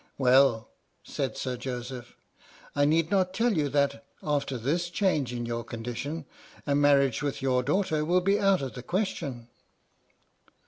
"Well," said Sir Joseph, "I need not tell you that, after this change in your condition, a marriage with your daughter will be out of the question."